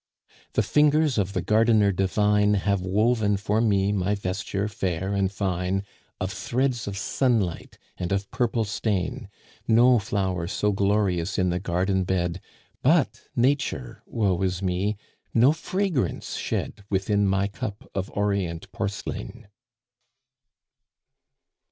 The fingers of the Gardener divine Have woven for me my vesture fair and fine, Of threads of sunlight and of purple stain; No flower so glorious in the garden bed, But Nature, woe is me, no fragrance shed Within my cup of Orient porcelain.